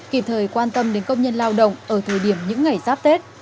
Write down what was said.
kịp thời quan tâm đến công nhân lao động ở thời điểm những ngày giáp tết